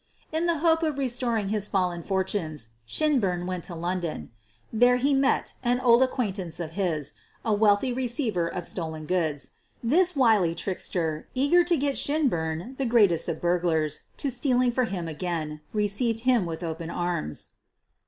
In the hope of restoring his fallen fortunes, Shin burn went to London. There he met an old ac quaintance of his — a wealthy receiver of stolen goods. This wily trickster, eager to get Shinburn, the greatest of burglars, to stealing for him again, received him with open arms.